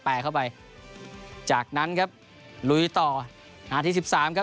เข้าไปจากนั้นครับลุยต่อนาทีสิบสามครับ